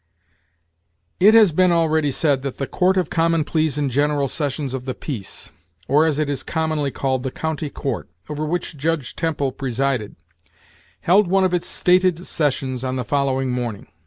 It has been already said that the "court of common pleas and general sessions of the peace," or, as it is commonly called, the "county court," over which Judge Temple presided, held one of its stated sessions on the following morning.